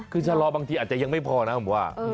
คือชะลอบางทีอาจจะยังไม่พอนะผมว่า